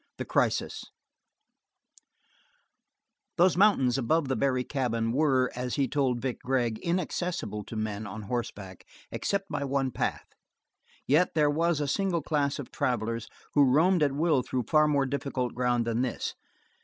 The Crisis Those mountains above the Barry cabin were, as he told Vic Gregg, inaccessible to men on horseback except by one path, yet there was a single class of travelers who roamed at will through far more difficult ground than this.